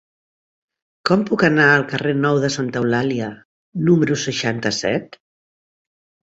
Com puc anar al carrer Nou de Santa Eulàlia número seixanta-set?